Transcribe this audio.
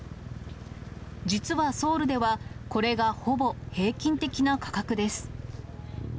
実はソウルでは、これがほぼ平均的な価格です。